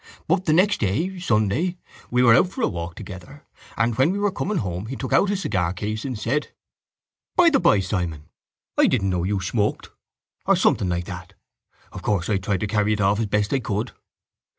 But the next day, Sunday, we were out for a walk together and when we were coming home he took out his cigar case and said:—By the by, Simon, I didn't know you smoked, or something like that.—Of course I tried to carry it off as best I could.